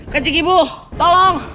kajik ibu tolong